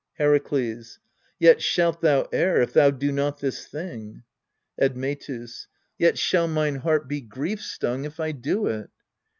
Herakles. Yet shalt thou err if thou do not this thing. Admetus. Yet shall mine heart be grief stung, if I do it.